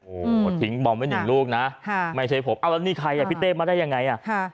โอ้โหทิ้งบอมไว้อย่างลูกนะไม่ใช่ผมแล้วนี่ใครพี่เต้มาได้ยังไง